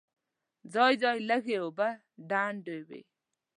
ځای ځای لږې اوبه ډنډ وې.